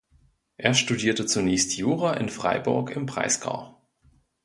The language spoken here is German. Er studierte zunächst Jura in Freiburg im Breisgau.